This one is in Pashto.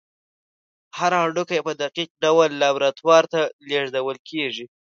هر هډوکی په دقیق ډول لابراتوار ته لیږدول کېږي.